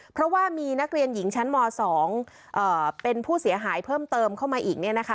เพราะว่ามีนักเรียนหญิงชั้นม๒เป็นผู้เสียหายเพิ่มเติมเข้ามาอีก